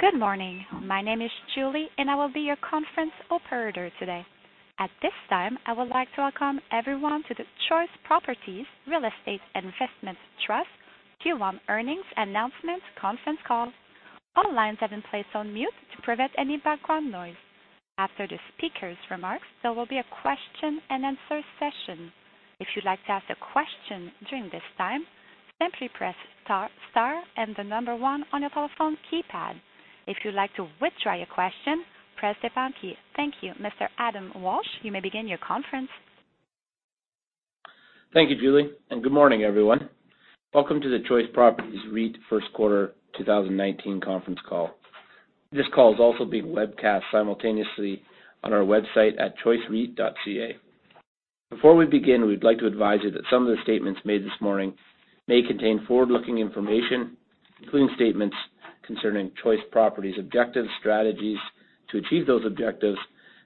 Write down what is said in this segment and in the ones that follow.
Good morning. My name is Julie, and I will be your conference operator today. At this time, I would like to welcome everyone to the Choice Properties Real Estate Investment Trust Q1 earnings announcement conference call. All lines have been placed on mute to prevent any background noise. After the speakers' remarks, there will be a question and answer session. If you'd like to ask a question during this time, simply press star and the number 1 on your telephone keypad. If you'd like to withdraw your question, press the pound key. Thank you. Mr. Adam Walsh, you may begin your conference. Thank you, Julie. Good morning, everyone. Welcome to the Choice Properties REIT first quarter 2019 conference call. This call is also being webcast simultaneously on our website at choicereit.ca. Before we begin, we'd like to advise you that some of the statements made this morning may contain forward-looking information, including statements concerning Choice Properties objectives, strategies to achieve those objectives,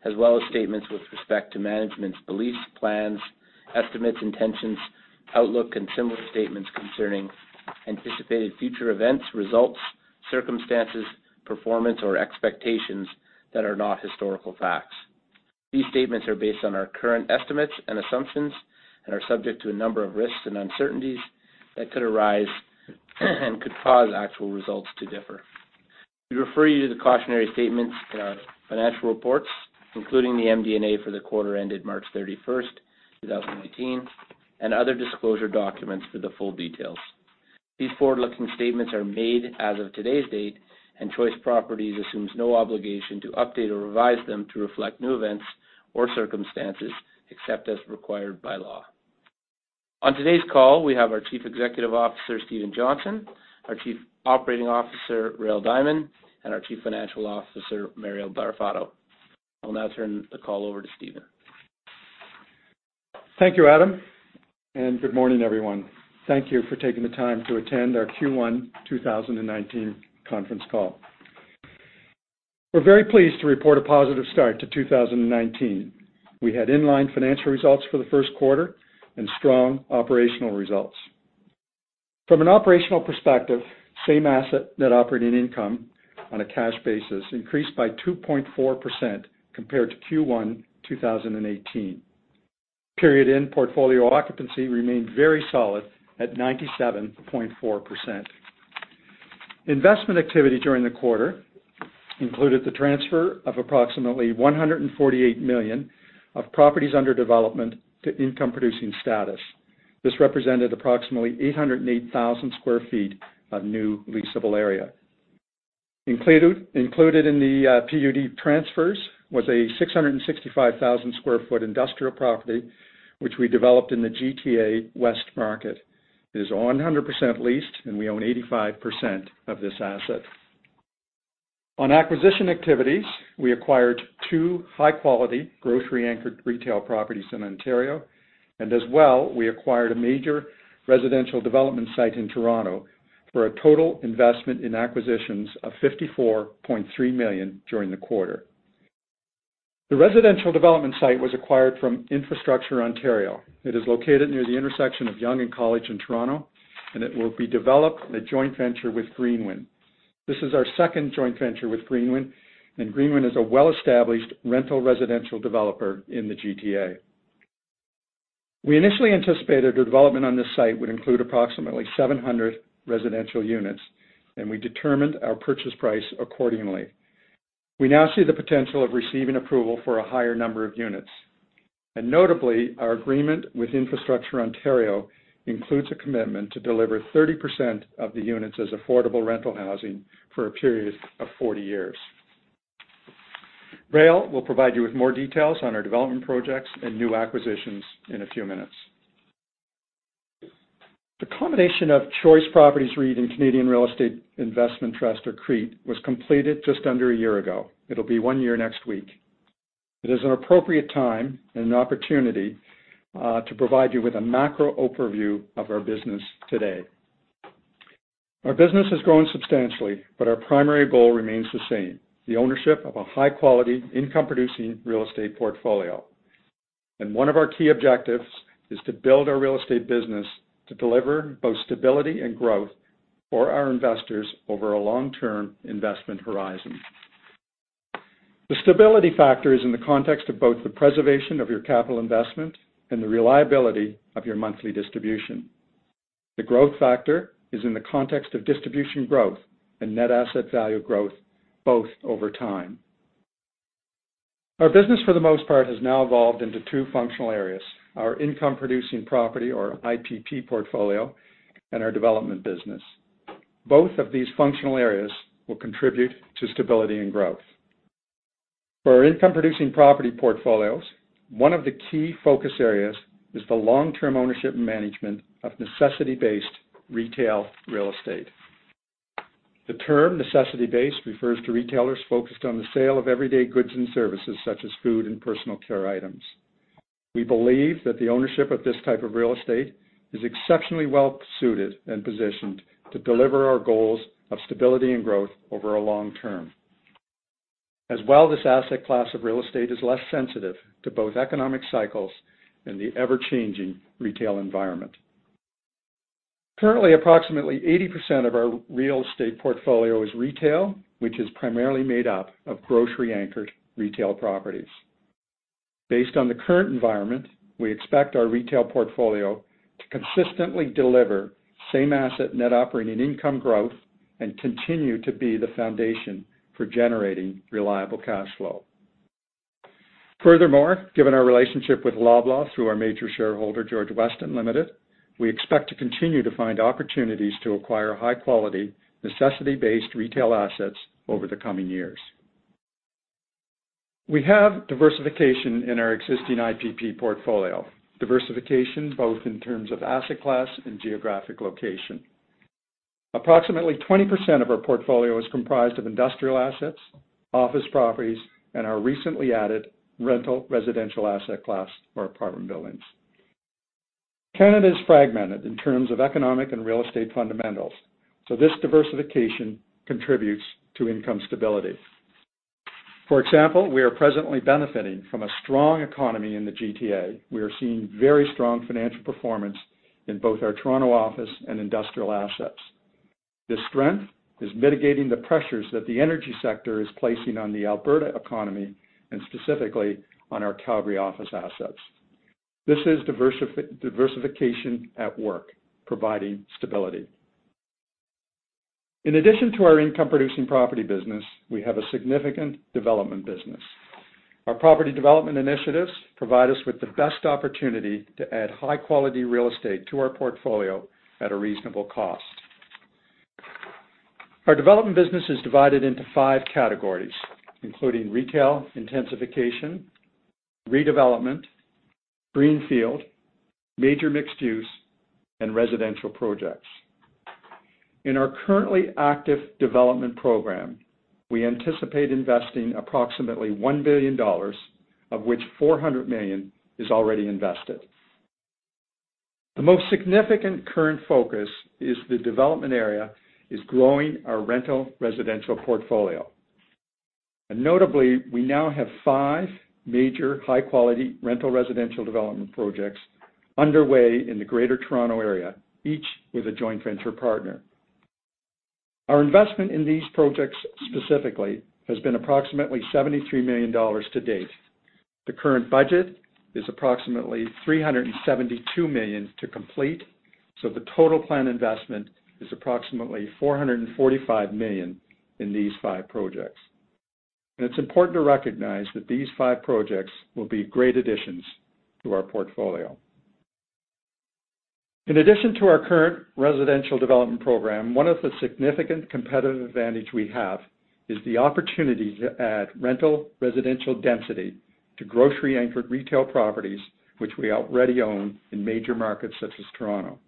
as well as statements with respect to management's beliefs, plans, estimates, intentions, outlook, and similar statements concerning anticipated future events, results, circumstances, performance, or expectations that are not historical facts. These statements are based on our current estimates and assumptions and are subject to a number of risks and uncertainties that could arise and could cause actual results to differ. We refer you to the cautionary statements in our financial reports, including the MD&A for the quarter ended March 31st, 2019, and other disclosure documents for the full details. These forward-looking statements are made as of today's date. Choice Properties assumes no obligation to update or revise them to reflect new events or circumstances except as required by law. On today's call, we have our Chief Executive Officer, Stephen Johnson, our Chief Operating Officer, Rael Diamond, and our Chief Financial Officer, Mario Barrafato. I'll now turn the call over to Stephen. Thank you, Adam. Good morning, everyone. Thank you for taking the time to attend our Q1 2019 conference call. We're very pleased to report a positive start to 2019. We had in-line financial results for the first quarter and strong operational results. From an operational perspective, same asset net operating income on a cash basis increased by 2.4% compared to Q1 2018. Period-end portfolio occupancy remained very solid at 97.4%. Investment activity during the quarter included the transfer of approximately 148 million of properties under development to income-producing status. This represented approximately 808,000 sq ft of new leasable area. Included in the PUD transfers was a 665,000 sq ft industrial property, which we developed in the GTA West market. It is 100% leased, and we own 85% of this asset. On acquisition activities, we acquired two high-quality, grocery-anchored retail properties in Ontario. As well, we acquired a major residential development site in Toronto for a total investment in acquisitions of 54.3 million during the quarter. The residential development site was acquired from Infrastructure Ontario. It is located near the intersection of Yonge and College in Toronto, and it will be developed in a joint venture with Greenwin. This is our second joint venture with Greenwin, and Greenwin is a well-established rental residential developer in the GTA. We initially anticipated the development on this site would include approximately 700 residential units, and we determined our purchase price accordingly. We now see the potential of receiving approval for a higher number of units. Notably, our agreement with Infrastructure Ontario includes a commitment to deliver 30% of the units as affordable rental housing for a period of 40 years. Rael will provide you with more details on our development projects and new acquisitions in a few minutes. The combination of Choice Properties REIT and Canadian Real Estate Investment Trust, or CREIT, was completed just under a year ago. It will be one year next week. It is an appropriate time and an opportunity to provide you with a macro overview of our business today. Our business has grown substantially, but our primary goal remains the same, the ownership of a high-quality, income-producing real estate portfolio. One of our key objectives is to build our real estate business to deliver both stability and growth for our investors over a long-term investment horizon. The stability factor is in the context of both the preservation of your capital investment and the reliability of your monthly distribution. The growth factor is in the context of distribution growth and net asset value growth, both over time. Our business, for the most part, has now evolved into two functional areas, our income-producing property, or IPP portfolio, and our development business. Both of these functional areas will contribute to stability and growth. For our income-producing property portfolios, one of the key focus areas is the long-term ownership and management of necessity-based retail real estate. The term necessity-based refers to retailers focused on the sale of everyday goods and services, such as food and personal care items. We believe that the ownership of this type of real estate is exceptionally well-suited and positioned to deliver our goals of stability and growth over a long term. As well, this asset class of real estate is less sensitive to both economic cycles and the ever-changing retail environment. Currently, approximately 80% of our real estate portfolio is retail, which is primarily made up of grocery-anchored retail properties. Based on the current environment, we expect our retail portfolio to consistently deliver same asset net operating income growth and continue to be the foundation for generating reliable cash flow. Furthermore, given our relationship with Loblaw through our major shareholder, George Weston Limited, we expect to continue to find opportunities to acquire high-quality, necessity-based retail assets over the coming years. We have diversification in our existing IPP portfolio, diversification both in terms of asset class and geographic location. Approximately 20% of our portfolio is comprised of industrial assets, office properties, and our recently added rental residential asset class for apartment buildings. Canada is fragmented in terms of economic and real estate fundamentals, so this diversification contributes to income stability. For example, we are presently benefiting from a strong economy in the G.T.A. We are seeing very strong financial performance in both our Toronto office and industrial assets. This strength is mitigating the pressures that the energy sector is placing on the Alberta economy and specifically on our Calgary office assets. This is diversification at work, providing stability. In addition to our income-producing property business, we have a significant development business. Our property development initiatives provide us with the best opportunity to add high-quality real estate to our portfolio at a reasonable cost. Our development business is divided into 5 categories, including retail intensification, redevelopment, greenfield, major mixed-use, and residential projects. In our currently active development program, we anticipate investing approximately 1 billion dollars, of which 400 million is already invested. The most significant current focus is the development area is growing our rental residential portfolio. Notably, we now have five major high-quality rental residential development projects underway in the Greater Toronto Area, each with a joint venture partner. Our investment in these projects specifically has been approximately 73 million dollars to date. The current budget is approximately 372 million to complete, so the total planned investment is approximately 445 million in these five projects. It's important to recognize that these five projects will be great additions to our portfolio. In addition to our current residential development program, one of the significant competitive advantage we have is the opportunity to add rental residential density to grocery-anchored retail properties, which we already own in major markets such as Toronto.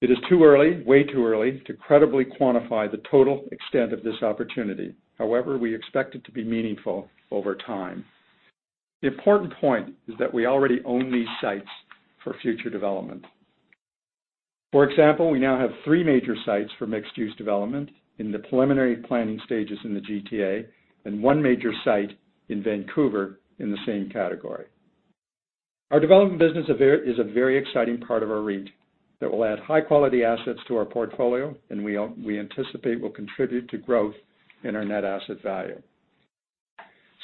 It is too early, way too early, to credibly quantify the total extent of this opportunity. However, we expect it to be meaningful over time. The important point is that we already own these sites for future development. For example, we now have three major sites for mixed-use development in the preliminary planning stages in the G.T.A. and one major site in Vancouver in the same category. Our development business is a very exciting part of our REIT that will add high-quality assets to our portfolio, and we anticipate will contribute to growth in our net asset value.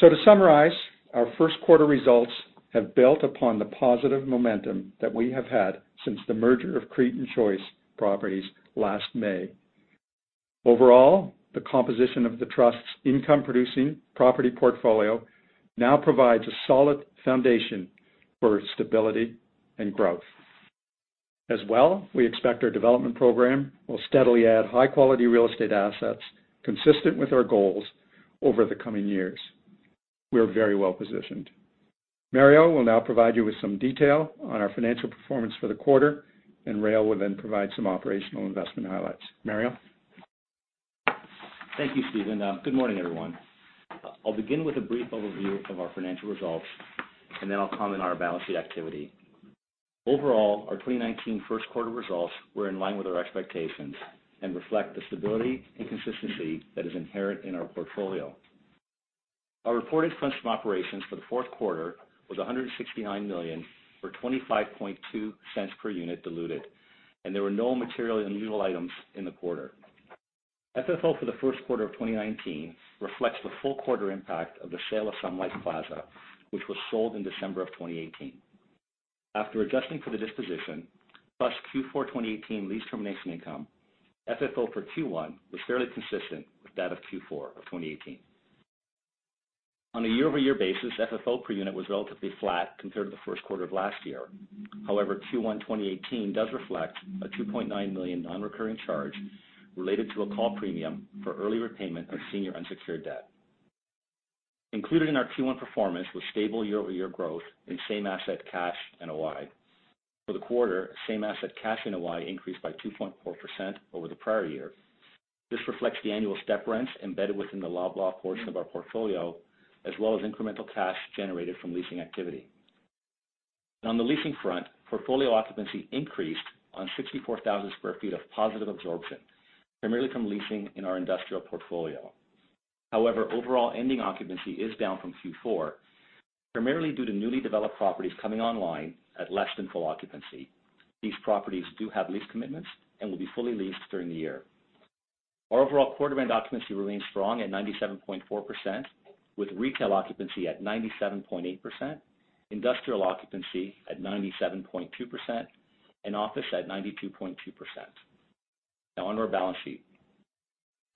To summarize, our first quarter results have built upon the positive momentum that we have had since the merger of CREIT and Choice Properties last May. Overall, the composition of the trust's income-producing property portfolio now provides a solid foundation for stability and growth. As well, we expect our development program will steadily add high-quality real estate assets consistent with our goals over the coming years. We are very well-positioned. Mario will now provide you with some detail on our financial performance for the quarter. Rael will then provide some operational investment highlights. Mario? Thank you, Stephen. Good morning, everyone. I'll begin with a brief overview of our financial results. Then I'll comment on our balance sheet activity. Overall, our 2019 first quarter results were in line with our expectations and reflect the stability and consistency that is inherent in our portfolio. Our reported funds from operations for the fourth quarter was 169 million, or 0.252 per unit diluted. There were no material unusual items in the quarter. FFO for the first quarter of 2019 reflects the full quarter impact of the sale of Sun Life Plaza, which was sold in December of 2018. After adjusting for the disposition plus Q4 2018 lease termination income, FFO for Q1 was fairly consistent with that of Q4 of 2018. On a year-over-year basis, FFO per unit was relatively flat compared to the first quarter of last year. However, Q1 2018 does reflect a 2.9 million non-recurring charge related to a call premium for early repayment of senior unsecured debt. Included in our Q1 performance was stable year-over-year growth in same asset cash NOI. For the quarter, same asset cash NOI increased by 2.4% over the prior year. This reflects the annual step rents embedded within the Loblaw portion of our portfolio, as well as incremental cash generated from leasing activity. On the leasing front, portfolio occupancy increased on 64,000 sq ft of positive absorption, primarily from leasing in our industrial portfolio. However, overall ending occupancy is down from Q4, primarily due to newly developed properties coming online at less than full occupancy. These properties do have lease commitments and will be fully leased during the year. Our overall quarter-end occupancy remains strong at 97.4%, with retail occupancy at 97.8%, industrial occupancy at 97.2%, and office at 92.2%. Now, on to our balance sheet.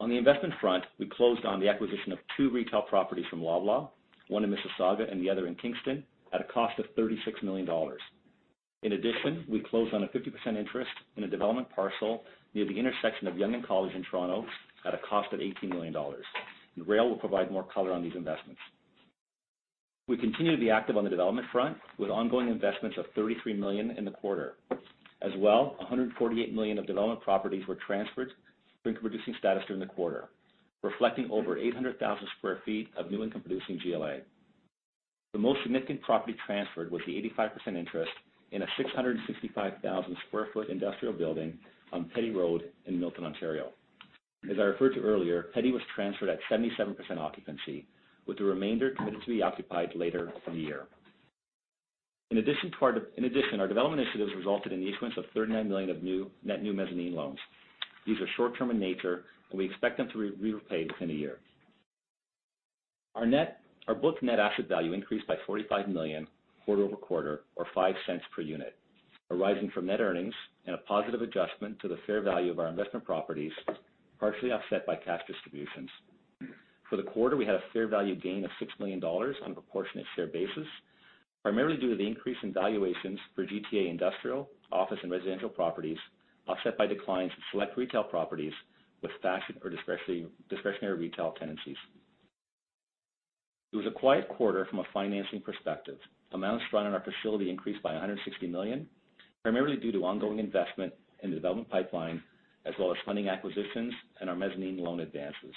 On the investment front, we closed on the acquisition of two retail properties from Loblaw, one in Mississauga and the other in Kingston, at a cost of 36 million dollars. In addition, we closed on a 50% interest in a development parcel near the intersection of Yonge and College in Toronto at a cost of 18 million dollars. Rael will provide more color on these investments. We continue to be active on the development front, with ongoing investments of 33 million in the quarter. As well, 148 million of development properties were transferred to income-producing status during the quarter, reflecting over 800,000 sq ft of new income-producing GLA. The most significant property transferred was the 85% interest in a 665,000 sq ft industrial building on Petty Road in Milton, Ontario. As I referred to earlier, Petty was transferred at 77% occupancy, with the remainder committed to be occupied later in the year. In addition, our development initiatives resulted in the issuance of 39 million of net new mezzanine loans. These are short-term in nature. We expect them to be repaid within a year. Our book net asset value increased by 45 million quarter-over-quarter, or 0.05 per unit, arising from net earnings and a positive adjustment to the fair value of our investment properties, partially offset by cash distributions. For the quarter, we had a fair value gain of 6 million dollars on a proportionate share basis, primarily due to the increase in valuations for GTA industrial, office, and residential properties, offset by declines in select retail properties with fashion or discretionary retail tenancies. It was a quiet quarter from a financing perspective. Amounts drawn on our facility increased by 160 million, primarily due to ongoing investment in the development pipeline, as well as funding acquisitions and our mezzanine loan advances.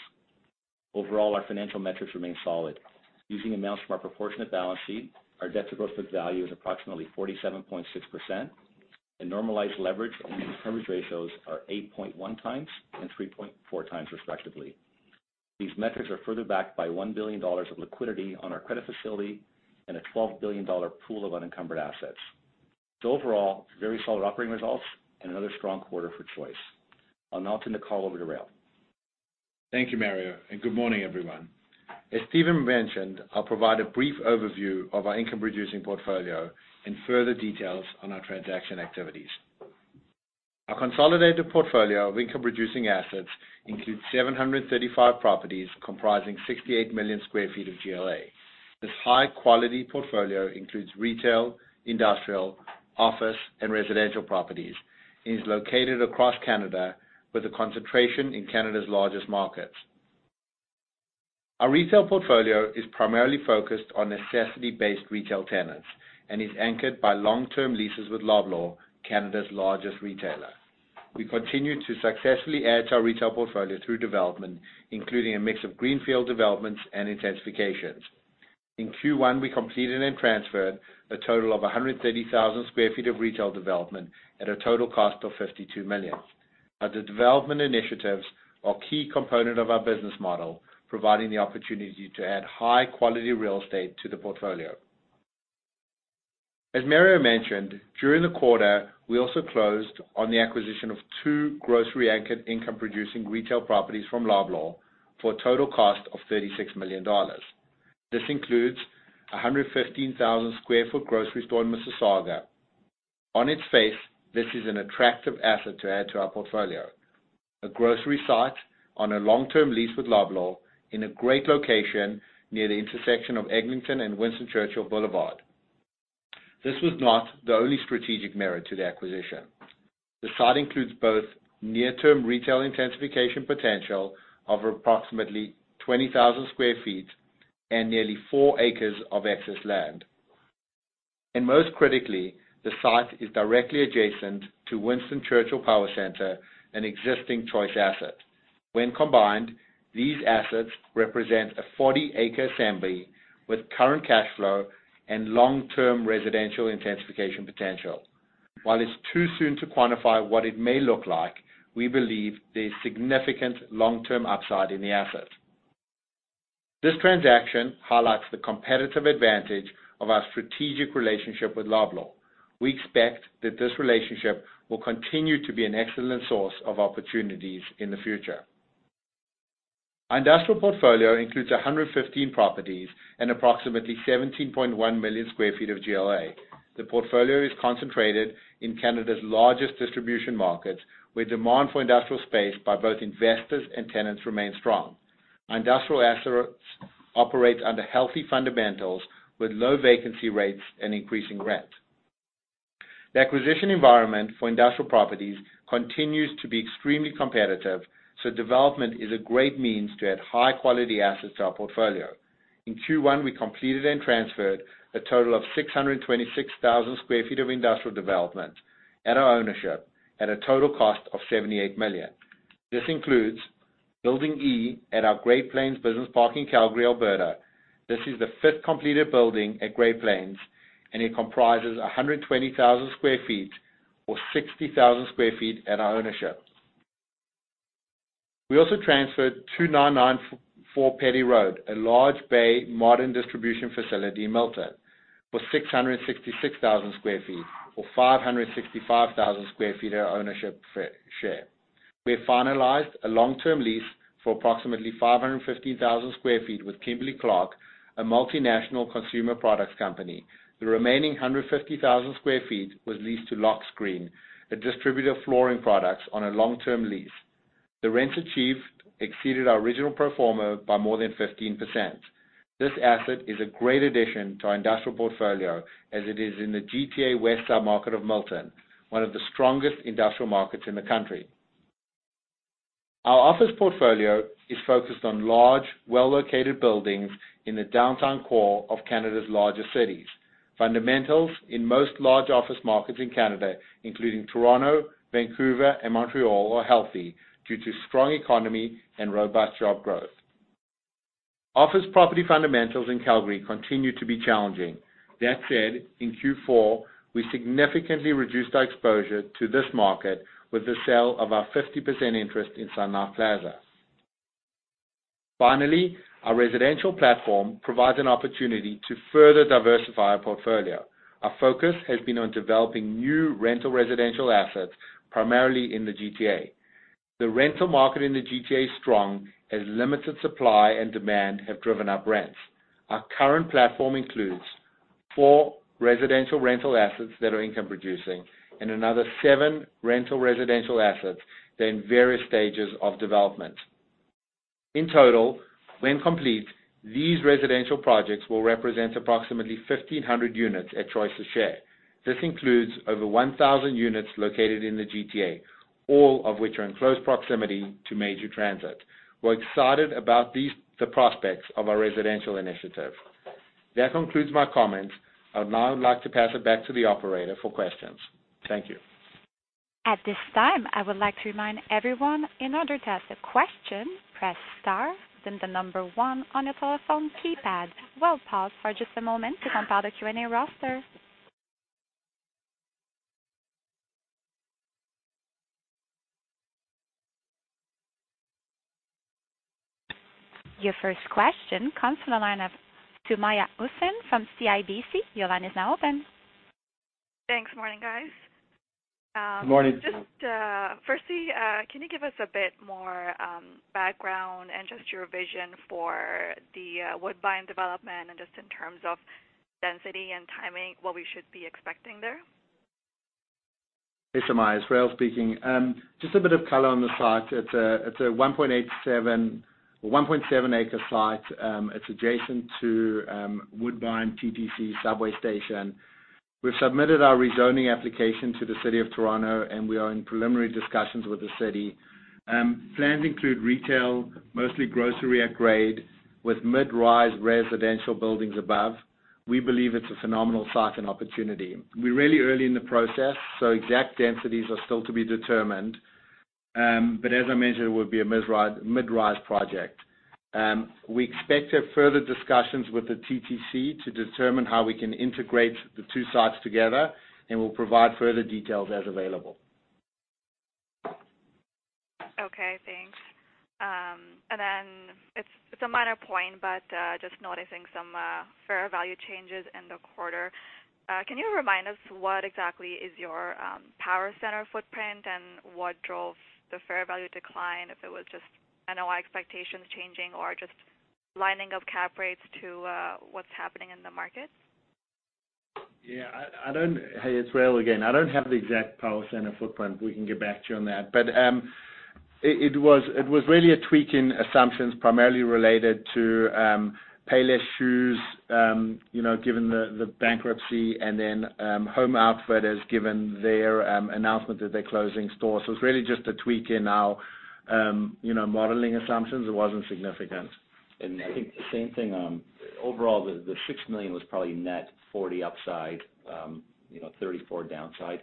Overall, our financial metrics remain solid. Using amounts from our proportionate balance sheet, our debt-to-gross book value is approximately 47.6%, and normalized leverage and coverage ratios are 8.1 times and 3.4 times respectively. These metrics are further backed by 1 billion dollars of liquidity on our credit facility and a 12 billion dollar pool of unencumbered assets. Overall, very solid operating results and another strong quarter for Choice. I'll now turn the call over to Rael. Thank you, Mario, and good morning, everyone. As Stephen mentioned, I'll provide a brief overview of our income-producing portfolio and further details on our transaction activities. Our consolidated portfolio of income-producing assets includes 735 properties comprising 68 million sq ft of GLA. This high-quality portfolio includes retail, industrial, office, and residential properties and is located across Canada with a concentration in Canada's largest markets. Our retail portfolio is primarily focused on necessity-based retail tenants and is anchored by long-term leases with Loblaw, Canada's largest retailer. We continue to successfully add to our retail portfolio through development, including a mix of greenfield developments and intensifications. In Q1, we completed and transferred a total of 130,000 sq ft of retail development at a total cost of 52 million. Our development initiatives are a key component of our business model, providing the opportunity to add high-quality real estate to the portfolio. As Mario mentioned, during the quarter, we also closed on the acquisition of two grocery-anchored income-producing retail properties from Loblaw for a total cost of 36 million dollars. This includes a 115,000 sq ft grocery store in Mississauga. On its face, this is an attractive asset to add to our portfolio. A grocery site on a long-term lease with Loblaw in a great location near the intersection of Eglinton and Winston Churchill Boulevard. This was not the only strategic merit to the acquisition. The site includes both near-term retail intensification potential of approximately 20,000 sq ft and nearly four acres of excess land. Most critically, the site is directly adjacent to Winston Churchill Power Center, an existing Choice asset. When combined, these assets represent a 40-acre assembly with current cash flow and long-term residential intensification potential. While it's too soon to quantify what it may look like, we believe there's significant long-term upside in the asset. This transaction highlights the competitive advantage of our strategic relationship with Loblaw. We expect that this relationship will continue to be an excellent source of opportunities in the future. Our industrial portfolio includes 115 properties and approximately 17.1 million sq ft of GLA. The portfolio is concentrated in Canada's largest distribution markets, where demand for industrial space by both investors and tenants remains strong. Our industrial assets operate under healthy fundamentals with low vacancy rates and increasing rent. Development is a great means to add high-quality assets to our portfolio. In Q1, we completed and transferred a total of 626,000 sq ft of industrial development at our ownership at a total cost of 78 million. This includes Building E at our Great Plains Business Park in Calgary, Alberta. This is the fifth completed building at Great Plains, and it comprises 120,000 sq ft or 60,000 sq ft at our ownership. We also transferred 2,994 Petty Road, a large bay modern distribution facility in Milton, for 666,000 sq ft or 565,000 sq ft of ownership share. We have finalized a long-term lease for approximately 550,000 sq ft with Kimberly-Clark, a multinational consumer products company. The remaining 150,000 sq ft was leased to Loxcreen, a distributor of flooring products, on a long-term lease. The rents achieved exceeded our original pro forma by more than 15%. This asset is a great addition to our industrial portfolio as it is in the GTA West sub-market of Milton, one of the strongest industrial markets in the country. Our office portfolio is focused on large, well-located buildings in the downtown core of Canada's largest cities. Fundamentals in most large office markets in Canada, including Toronto, Vancouver, and Montreal, are healthy due to strong economy and robust job growth. Office property fundamentals in Calgary continue to be challenging. That said, in Q4, we significantly reduced our exposure to this market with the sale of our 50% interest in Sun Life Plaza. Finally, our residential platform provides an opportunity to further diversify our portfolio. Our focus has been on developing new rental residential assets, primarily in the GTA. The rental market in the GTA is strong, as limited supply and demand have driven up rents. Our current platform includes four residential rental assets that are income producing and another seven rental residential assets that are in various stages of development. In total, when complete, these residential projects will represent approximately 1,500 units at Choice's share. This includes over 1,000 units located in the GTA, all of which are in close proximity to major transit. We're excited about the prospects of our residential initiative. That concludes my comments. I would now like to pass it back to the operator for questions. Thank you. At this time, I would like to remind everyone, in order to ask a question, press star, then the number one on your telephone keypad. We'll pause for just a moment to compile the Q&A roster. Your first question comes from the line of Sumit Arora from CIBC. Your line is now open. Thanks. Morning, guys. Morning. Just firstly, can you give us a bit more background and just your vision for the Woodbine development and just in terms of density and timing, what we should be expecting there? Hey, Sumit. Rael speaking. Just a bit of color on the site. It's a 1.7 acre site. It's adjacent to Woodbine TTC subway station. We've submitted our rezoning application to the City of Toronto, and we are in preliminary discussions with the city. Plans include retail, mostly grocery at grade, with mid-rise residential buildings above. We believe it's a phenomenal site and opportunity. We're really early in the process, so exact densities are still to be determined. As I mentioned, it would be a mid-rise project. We expect to have further discussions with the TTC to determine how we can integrate the two sites together, and we'll provide further details as available. Okay, thanks. It's a minor point, but just noticing some fair value changes in the quarter. Can you remind us what exactly is your power center footprint and what drove the fair value decline? If it was just NOI expectations changing or just lining up cap rates to what's happening in the market? Hey, Rael again. I don't have the exact power center footprint. We can get back to you on that. It was really a tweak in assumptions primarily related to Payless ShoeSource, given the bankruptcy, and then Home Outfitters has given their announcement that they're closing stores. It's really just a tweak in our modeling assumptions. It wasn't significant. I think the same thing. Overall, the 6 million was probably net 40 upside, 34 downside.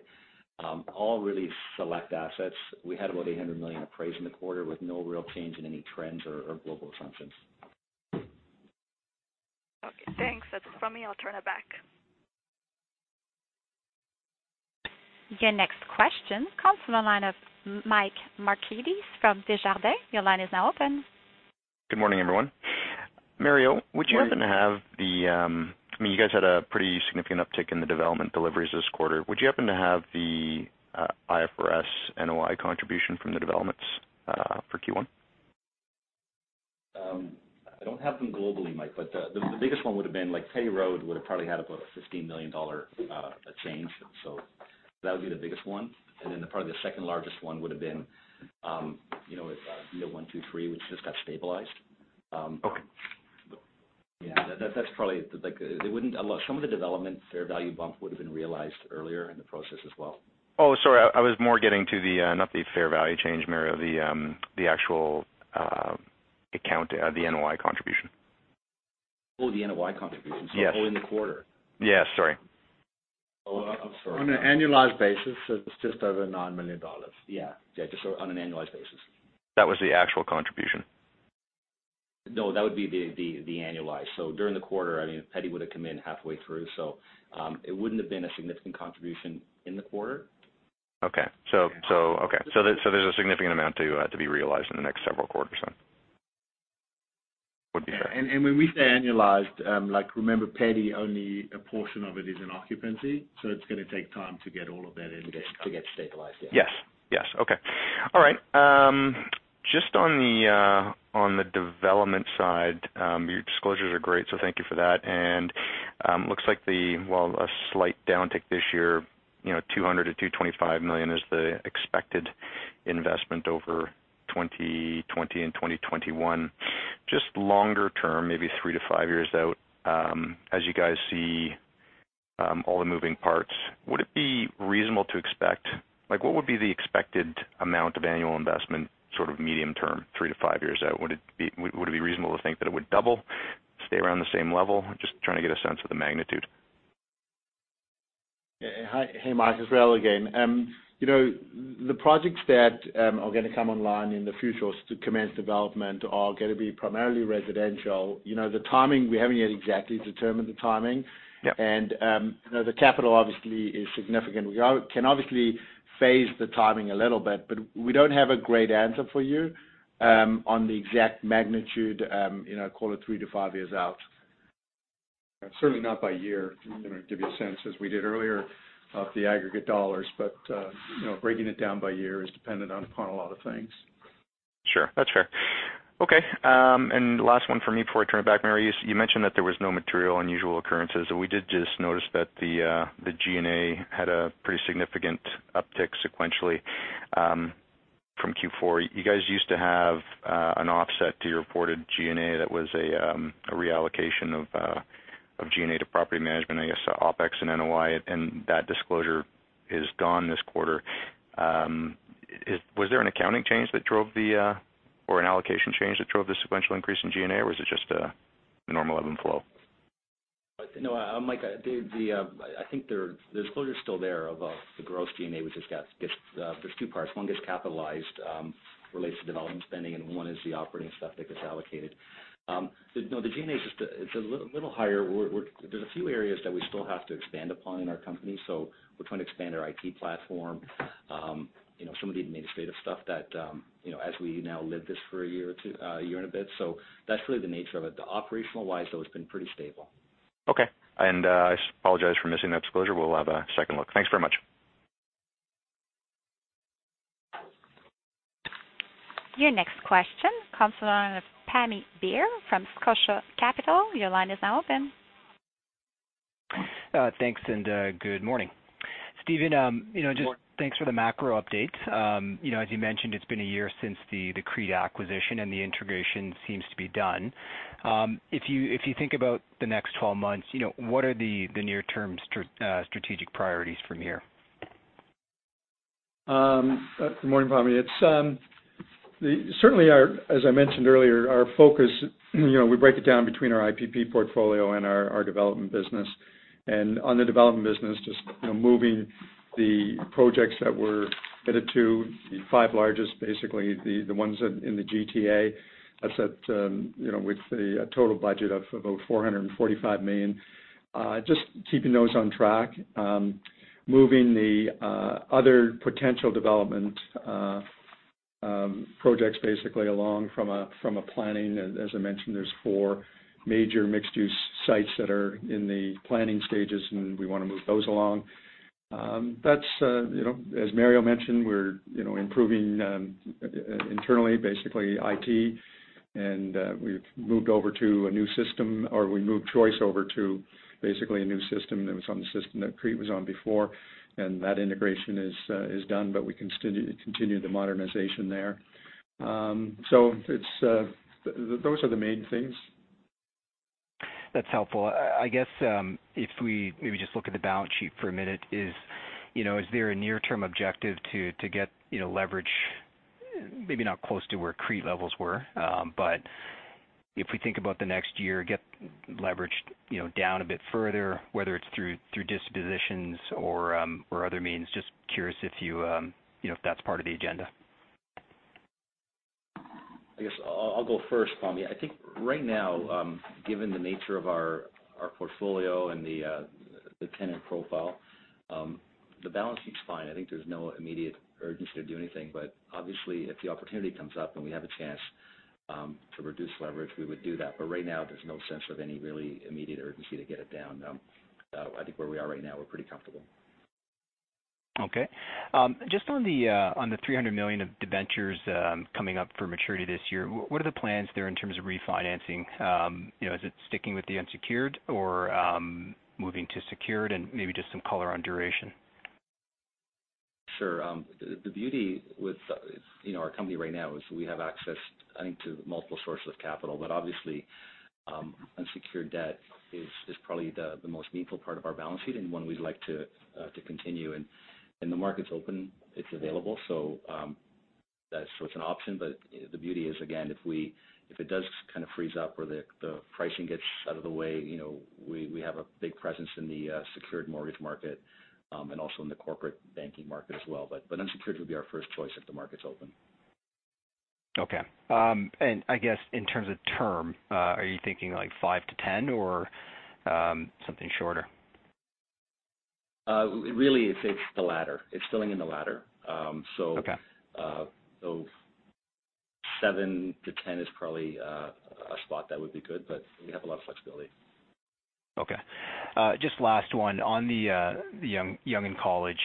All really select assets. We had about 800 million appraised in the quarter with no real change in any trends or global assumptions. Okay, thanks. That's it from me. I'll turn it back. Your next question comes from the line of Michael Markidis from Desjardins. Your line is now open. Good morning, everyone. Morning would you happen to have the You guys had a pretty significant uptick in the development deliveries this quarter. Would you happen to have the IFRS NOI contribution from the developments for Q1? I don't have them globally, Mike, but the biggest one would've been like Petty Road would've probably had about a 15 million dollar change. That would be the biggest one, and then probably the second largest one would've been VIA 123, which just got stabilized. Okay. Yeah. Some of the development fair value bump would've been realized earlier in the process as well. Oh, sorry, I was more getting to the, not the fair value change, Mario, the actual account, the NOI contribution. Oh, the NOI contribution. Yes. Oh, in the quarter. Yeah, sorry. Total contribution. On an annualized basis, it's just over 9 million dollars. Yeah. Just on an annualized basis. That was the actual contribution. No, that would be the annualized. During the quarter, Petty would've come in halfway through. It wouldn't have been a significant contribution in the quarter. Okay. There's a significant amount to be realized in the next several quarters then. Would be fair. When we say annualized, remember Petty, only a portion of it is in occupancy. It's going to take time to get all of that in. To get stabilized. Yes. Okay. All right. Just on the development side, your disclosures are great, so thank you for that. Looks like a slight downtick this year, 200 million-225 million is the expected investment over 2020 and 2021. Just longer term, maybe three to five years out, as you guys see all the moving parts, would it be reasonable to expect, like what would be the expected amount of annual investment sort of medium term, three to five years out? Would it be reasonable to think that it would double, stay around the same level? Just trying to get a sense of the magnitude. Hey, Mark. It's Rael again. The projects that are going to come online in the future to commence development are going to be primarily residential. The timing, we haven't yet exactly determined the timing. Yep. The capital obviously is significant. We can obviously phase the timing a little bit, but we don't have a great answer for you on the exact magnitude, call it three to five years out. Certainly not by year. I'm going to give you a sense as we did earlier of the aggregate dollars. Breaking it down by year is dependent upon a lot of things. Sure. That's fair. Okay, last one for me before I turn it back. Mario, you mentioned that there was no material unusual occurrences. We did just notice that the G&A had a pretty significant uptick sequentially from Q4. You guys used to have an offset to your reported G&A that was a reallocation of G&A to property management, I guess, so OpEx and NOI, and that disclosure is gone this quarter. Was there an accounting change or an allocation change that drove the sequential increase in G&A or was it just a normal ebb and flow? Mike, I think the disclosure's still there of the gross G&A, which there's two parts. One gets capitalized, relates to development spending, and one is the operating stuff that gets allocated. The G&A is just a little higher. There's a few areas that we still have to expand upon in our company, so we're trying to expand our IT platform. Some of the administrative stuff that as we now live this for a year and a bit, that's really the nature of it. The operational-wise, though, it's been pretty stable. Okay. I apologize for missing that disclosure. We'll have a second look. Thanks very much. Your next question comes from the line of Pammi Bir from Scotia Capital. Your line is now open. Thanks, good morning, Stephen. Good morning. Just thanks for the macro update. As you mentioned, it's been a year since the CREIT acquisition and the integration seems to be done. If you think about the next 12 months, what are the near-term strategic priorities from here? Good morning, Pammi. Certainly, as I mentioned earlier, our focus, we break it down between our IPP portfolio and our development business. On the development business, just moving the projects that we're committed to, the five largest, basically the ones in the GTA, with the total budget of about 445 million. Just keeping those on track. Moving the other potential development projects basically along from a planning. As I mentioned, there's four major mixed-use sites that are in the planning stages. We want to move those along. As Mario mentioned, we're improving internally, basically IT. We've moved over to a new system, or we moved Choice over to basically a new system that was on the system that CREIT was on before. That integration is done, but we continue the modernization there. Those are the main things. That's helpful. I guess if we maybe just look at the balance sheet for a minute. Is there a near-term objective to get leverage, maybe not close to where CREIT levels were. If we think about the next year, get leverage down a bit further, whether it's through dispositions or other means. Just curious if that's part of the agenda. I guess I'll go first, Pammi. I think right now, given the nature of our portfolio and the tenant profile, the balance sheet's fine. I think there's no immediate urgency to do anything. Obviously, if the opportunity comes up and we have a chance to reduce leverage, we would do that. Right now, there's no sense of any really immediate urgency to get it down. I think where we are right now, we're pretty comfortable. Okay. Just on the 300 million of debentures coming up for maturity this year, what are the plans there in terms of refinancing? Is it sticking with the unsecured or moving to secured? Maybe just some color on duration. Sure. The beauty with our company right now is we have access, I think, to multiple sources of capital. Obviously, unsecured debt is probably the most meaningful part of our balance sheet and one we'd like to continue. The market's open, it's available. It's an option, but the beauty is, again, if it does freeze up or the pricing gets out of the way, we have a big presence in the secured mortgage market, and also in the corporate banking market as well. Unsecured would be our first choice if the market's open. Okay. I guess in terms of term, are you thinking 5 to 10 or something shorter? Really, it's the latter. It's filling in the latter. Okay. 7 to 10 is probably a spot that would be good, but we have a lot of flexibility. Okay. Just last one. On the Yonge and College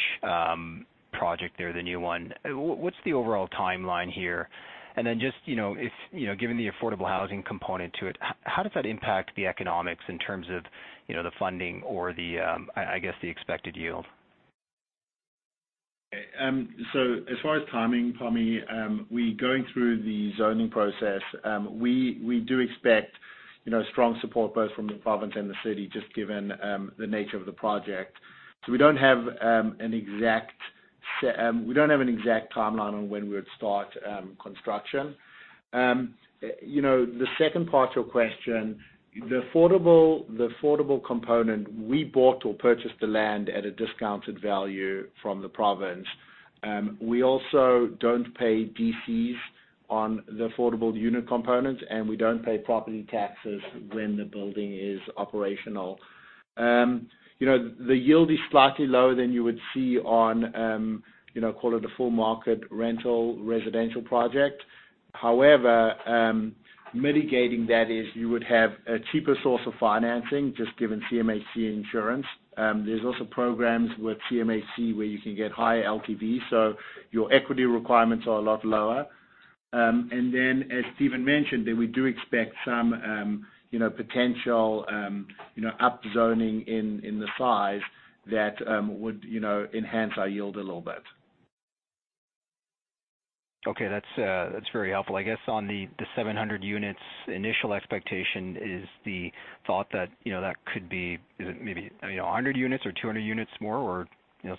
project there, the new one, what's the overall timeline here? Then just, given the affordable housing component to it, how does that impact the economics in terms of the funding or the expected yield? As far as timing, Pammi, we going through the zoning process. We do expect strong support both from the province and the city, just given the nature of the project. We don't have an exact timeline on when we would start construction. The second part to your question, the affordable component, we bought or purchased the land at a discounted value from the province. We also don't pay DCs on the affordable unit component, and we don't pay property taxes when the building is operational. The yield is slightly lower than you would see on call it a full market rental residential project. Mitigating that is you would have a cheaper source of financing just given CMHC insurance. There's also programs with CMHC where you can get higher LTV, so your equity requirements are a lot lower. As Stephen mentioned, that we do expect some potential up zoning in the size that would enhance our yield a little bit. Okay. That's very helpful. I guess on the 700 units initial expectation is the thought that could be, is it maybe 100 units or 200 units more or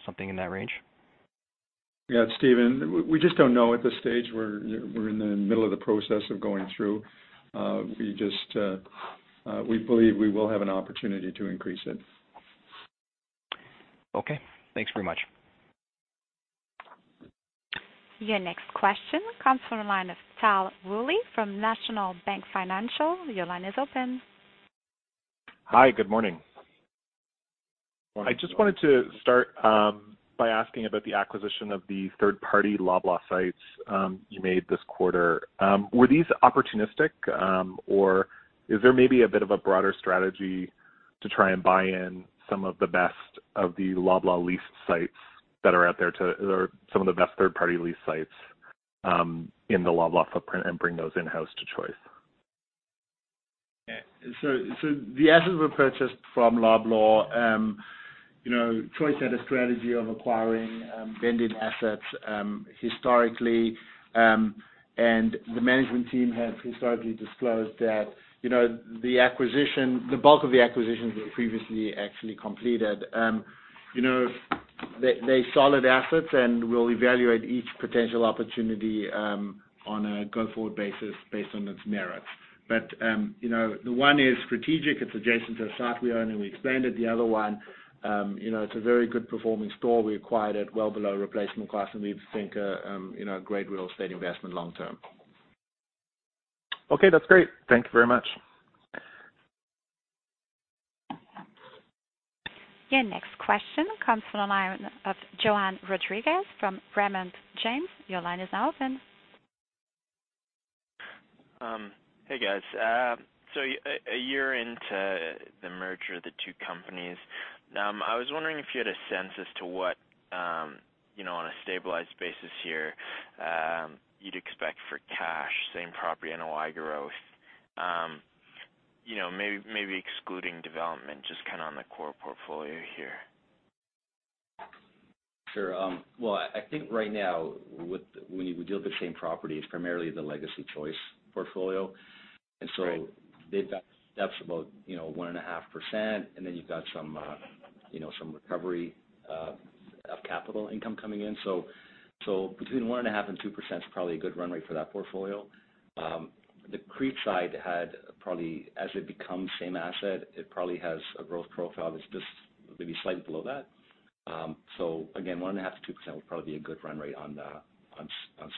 something in that range? Yeah, it's Stephen. We just don't know at this stage. We're in the middle of the process of going through. We believe we will have an opportunity to increase it. Okay. Thanks very much. Your next question comes from the line of Tal Woolley from National Bank Financial. Your line is open. Hi, good morning. Morning. I just wanted to start by asking about the acquisition of the third-party Loblaw sites you made this quarter. Were these opportunistic, or is there maybe a bit of a broader strategy to try and buy in some of the best of the Loblaw leased sites that are out there or some of the best third-party leased sites in the Loblaw footprint and bring those in-house to Choice? The assets were purchased from Loblaw. Choice had a strategy of acquiring vended assets historically. The management team has historically disclosed that the bulk of the acquisitions were previously actually completed. They are solid assets and we'll evaluate each potential opportunity on a go-forward basis based on its merits. The one is strategic. It's adjacent to the site we own, and we expanded the other one. It's a very good performing store. We acquired it well below replacement cost, and we think a great real estate investment long term. Okay, that's great. Thank you very much. Your next question comes from the line of Johann Rodrigues from Raymond James. Your line is now open. Hey, guys. A year into the merger of the two companies, I was wondering if you had a sense as to what on a stabilized basis here, you'd expect for cash, same property NOI growth. Maybe excluding development, just on the core portfolio here. Sure. I think right now when we deal with the same property, it's primarily the legacy Choice portfolio. Right. They've got steps about 1.5%, and then you've got some recovery of capital income coming in. Between 1.5%-2% is probably a good run rate for that portfolio. The CREIT side had probably, as it becomes same asset, it probably has a growth profile that's just maybe slightly below that. Again, 1.5%-2% would probably be a good run rate on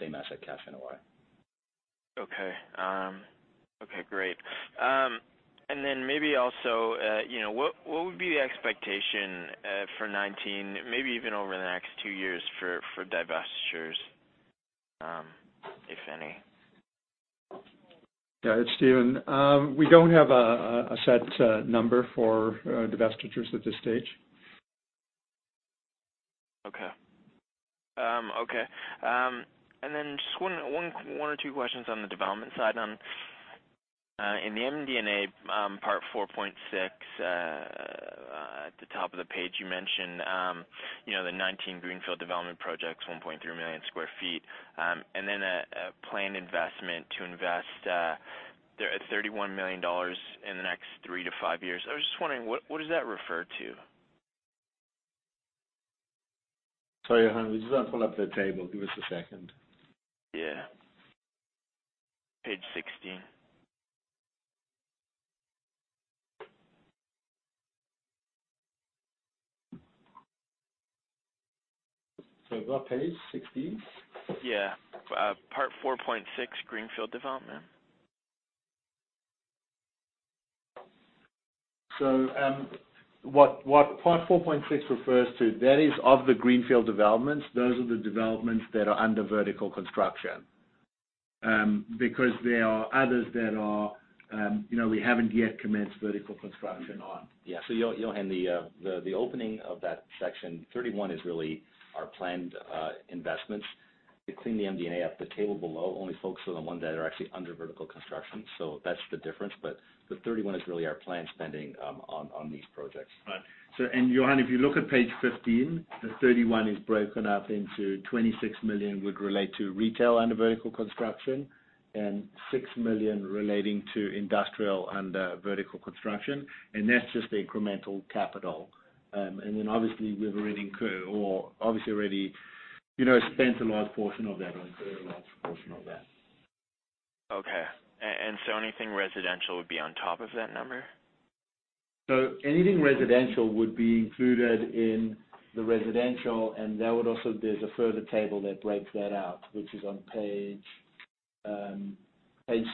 same asset cash NOI. Okay. Great. Maybe also, what would be the expectation for 2019, maybe even over the next two years for divestitures, if any? Yeah, it's Stephen. We don't have a set number for divestitures at this stage. Okay. Just one or two questions on the development side. In the MD&A part 4.6, at the top of the page, you mentioned the 2019 greenfield development projects, 1.3 million sq ft. A planned investment to invest 31 million dollars in the next three to five years. I was just wondering, what does that refer to? Sorry, Johann. We just want to pull up the table. Give us a second. Page 16. We've got page 16. Yeah. Part 4.6, Greenfield development. What part 4.6 refers to, that is of the Greenfield developments, those are the developments that are under vertical construction. There are others that we haven't yet commenced vertical construction on. Yeah. Johann, the opening of that section 31 is really our planned investments. To clean the MD&A up, the table below only focus on the one that are actually under vertical construction. That's the difference. The 31 is really our planned spending on these projects. Right. Johann, if you look at page 15, the 31 is broken up into 26 million would relate to retail under vertical construction and 6 million relating to industrial under vertical construction. That's just the incremental capital. Then obviously we've already incurred or obviously already spent a large portion of that or incurred a large portion of that. Okay. Anything residential would be on top of that number? Anything residential would be included in the residential, and there's a further table that breaks that out, which is on page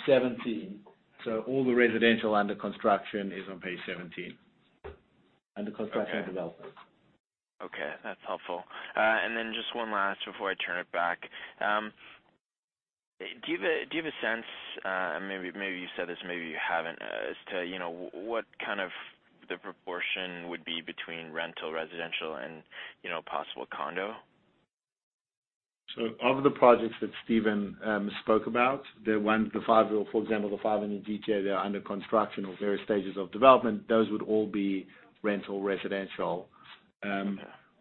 17. All the residential under construction is on page 17. Under construction developments. Okay. That's helpful. Just one last before I turn it back. Do you have a sense, maybe you said this, maybe you haven't, as to what the proportion would be between rental, residential, and possible condo? Of the projects that Stephen spoke about, for example, the five in the GTA that are under construction or various stages of development, those would all be rental residential.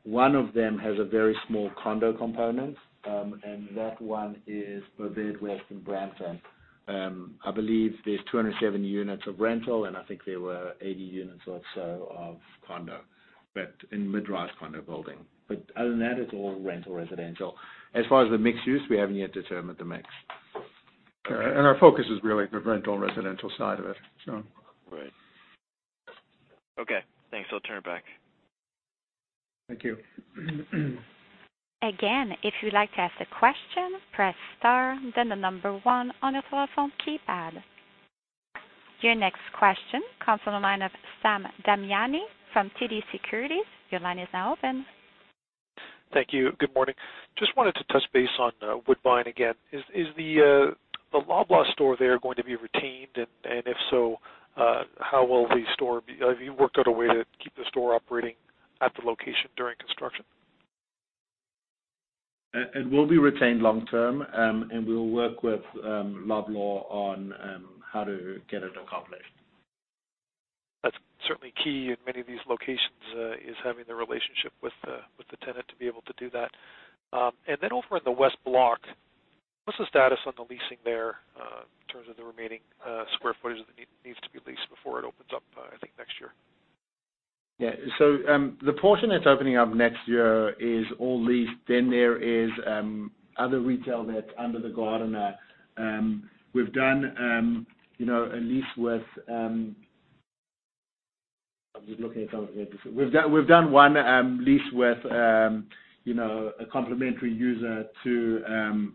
One of them has a very small condo component, and that one is Bovaird West in Brampton. I believe there's 207 units of rental, and I think there were 80 units or so of condo, in mid-rise condo building. Other than that, it's all rental residential. As far as the mixed use, we haven't yet determined the mix. Okay. Our focus is really the rental residential side of it. Right. Okay, thanks. I'll turn it back. Thank you. Again, if you'd like to ask a question, press star then the number one on your telephone keypad. Your next question comes on the line of Sam Damiani from TD Securities. Your line is now open. Thank you. Good morning. Just wanted to touch base on Woodbine again. Is the Loblaw store there going to be retained? If so, have you worked out a way to keep the store operating at the location during construction? It will be retained long term, and we'll work with Loblaw on how to get it accomplished. That's certainly key in many of these locations is having the relationship with the tenant to be able to do that. Over in the west block, what's the status on the leasing there in terms of the remaining square footage that needs to be leased before it opens up, I think, next year? Yeah. The portion that's opening up next year is all leased. There is other retail that's under the Gardiner. We've done a lease with. We've done one lease with a complementary user to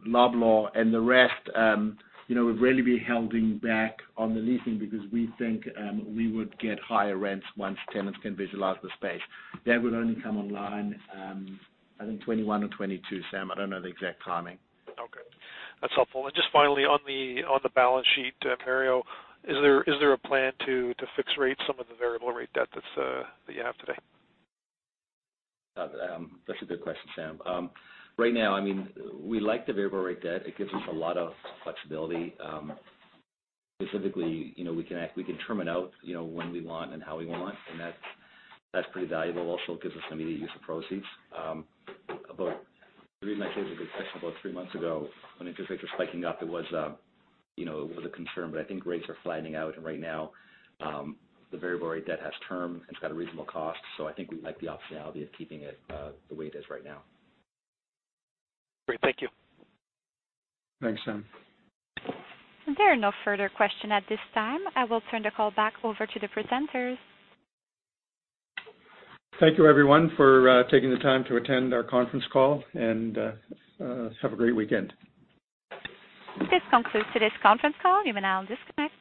Loblaw and the rest we've really been holding back on the leasing because we think we would get higher rents once tenants can visualize the space. That would only come online, I think 2021 or 2022, Sam. I don't know the exact timing. That's helpful. Just finally, on the balance sheet, Mario Barrafato, is there a plan to fix rate some of the variable rate debt that you have today? That's a good question, Sam Damiani. Right now, we like the variable rate debt. It gives us a lot of flexibility. Specifically, we can term it out when we want and how we want, that's pretty valuable. Also, it gives us immediate use of proceeds. The reason I say it's a good question, about three months ago when interest rates were spiking up, it was a concern, I think rates are flattening out. Right now, the variable rate debt has term, it's got a reasonable cost, so I think we like the optionality of keeping it the way it is right now. Great. Thank you. Thanks, Sam Damiani. There are no further questions at this time. I will turn the call back over to the presenters. Thank you everyone for taking the time to attend our conference call, and have a great weekend. This concludes today's conference call. You may now disconnect.